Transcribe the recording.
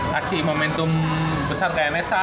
kasih momentum besar kayak enesa